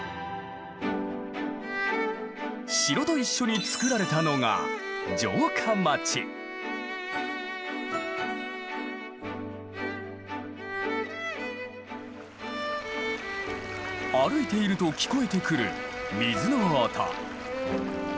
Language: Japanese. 城と一緒につくられたのが歩いていると聞こえてくる水の音。